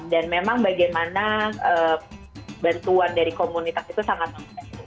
dan memang bagaimana bantuan dari komunitas itu sangat membutuhkan